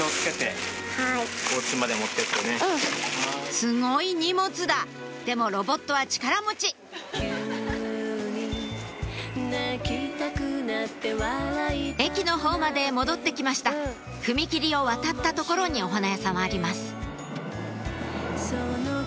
すごい荷物だでもロボットは力持ち駅のほうまで戻って来ました踏切を渡った所にお花屋さんはあります